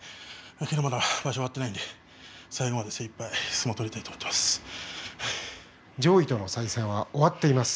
まだ場所終わってないんで最後までしっかり相撲を取りたい上位との対戦は終わっています。